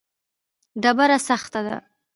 ډبره سخته ده.